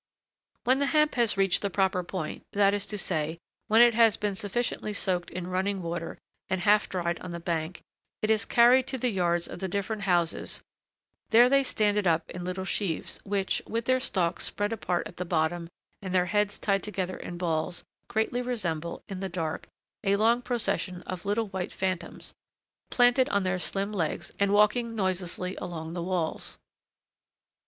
When the hemp has reached the proper point, that is to say, when it has been sufficiently soaked in running water and half dried on the bank, it is carried to the yards of the different houses; there they stand it up in little sheaves, which, with their stalks spread apart at the bottom and their heads tied together in balls, greatly resemble, in the dark, a long procession of little white phantoms, planted on their slim legs and walking noiselessly along the walls.